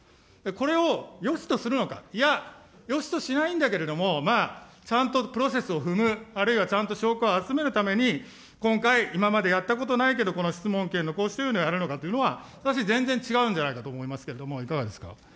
これをよしとするのか、いや、よしとしないんだけれども、まあ、ちゃんとプロセスを踏む、あるいはちゃんと証拠を集めるために、今回、今までやったことないけど、この質問権の行使というのをやるのかというのは、私、全然違うんじゃないかと思いますけれども、いかがですか。